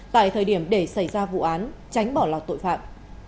tại thời điểm để xảy ra vụ án tránh bỏ lọt tội phạm